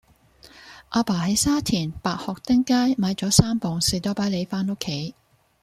亞爸喺沙田白鶴汀街買左三磅士多啤梨返屋企